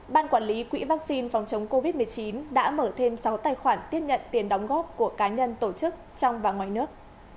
ban quản lý quỹ vaccine phòng chống covid một mươi chín đã mở thêm sáu tài khoản tiếp nhận tiền đóng góp của cá nhân tổ chức trong và ngoài nước